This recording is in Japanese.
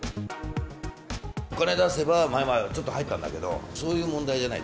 お金出せば、前はちょっと入ったんだけど、そういう問題じゃない。